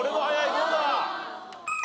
どうだ？